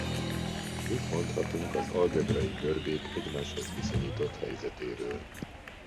Mit mondhatunk az algebrai görbék egymáshoz viszonyított helyzetéről?